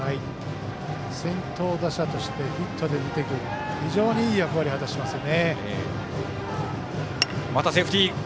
先頭打者としてヒットで出て非常にいい役割を果たしますね。